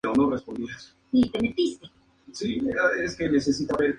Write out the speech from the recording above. Católico ferviente, sirve al estado en maneras diferentes.